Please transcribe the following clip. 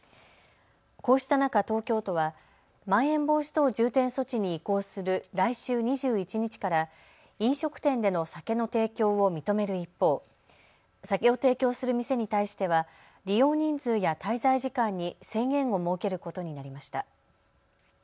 こうした中、東京都はまん延防止等重点措置に移行する来週２１日から飲食店での酒の提供を認める一方、酒を提供する店に対しては利用人数や滞在時間に制限を設けることになりました。